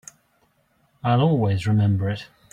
I'll always remember it.